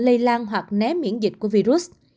lây lan hoặc né miễn dịch của virus